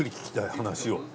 話を。